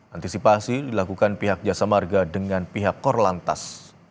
antisipasi dilakukan pihak jasa marga dengan pihak korlantas